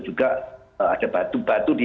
juga ada batu batu di